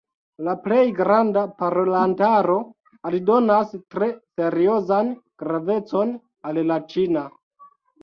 La plej granda parolantaro aldonas tre seriozan gravecon al la ĉina.